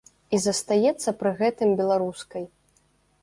І застаецца пры гэтым беларускай.